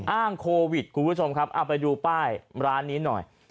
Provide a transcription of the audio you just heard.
โควิดคุณผู้ชมครับเอาไปดูป้ายร้านนี้หน่อย